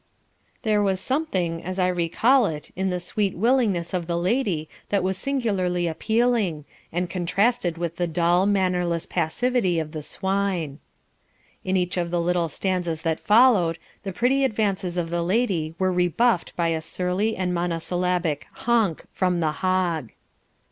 There was something, as I recall it, in the sweet willingness of the Lady that was singularly appealing, and contrasted with the dull mannerless passivity of the swine. In each of the little stanzas that followed, the pretty advances of the Lady were rebuffed by a surly and monosyllabic "honk" from the hog.